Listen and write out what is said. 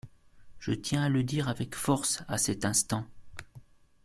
Je tiens à le dire avec force à cet instant.